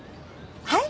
はい？